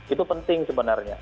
itu penting sebenarnya